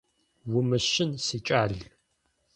Умыщын, сикӏал…